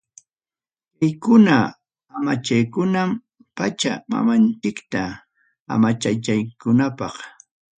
Kaykunam amachaykuna, pacha mamanchikta amachananchikpaq.